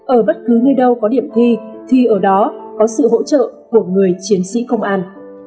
ở bất cứ nơi đâu có điểm thi thì ở đó có sự hỗ trợ của người chiến sĩ công an